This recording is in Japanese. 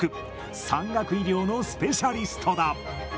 山岳医療のスペシャリストだ。